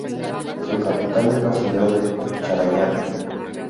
Su capital es la ciudad de Charallave.